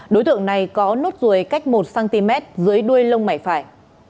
đối tượng này có nốt ruồi cách một cm dưới đuôi lông mảy phải